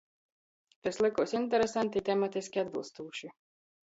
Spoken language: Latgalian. Tys lykuos interesanti un tematiski atbylstūši.